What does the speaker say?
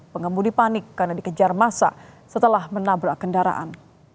pengemudi panik karena dikejar masa setelah menabrak kendaraan